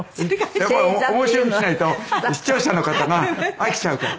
やっぱり面白くしないと視聴者の方が飽きちゃうから。